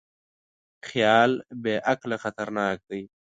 خیال بېعقله خطرناک دی.